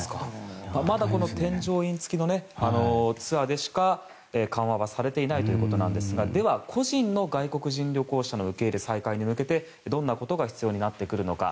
まだ添乗員付きのツアーでしか緩和がされていないということですがでは、個人の外国人旅行者受け入れ再開に向けどんなことが必要になってくるのか。